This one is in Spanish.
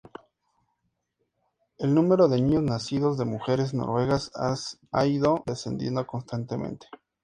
El número de niños nacidos de mujeres noruegas ha ido descendiendo constantemente.